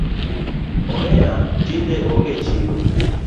Omena tinde ong’e e chiro